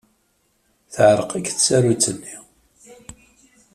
Teɛreq akk tsarut-nni.